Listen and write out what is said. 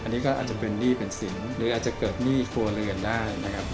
อันนี้ก็อาจจะเป็นหนี้เป็นสินหรืออาจจะเกิดหนี้ครัวเรือนได้นะครับ